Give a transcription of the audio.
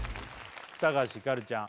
橋ひかるちゃん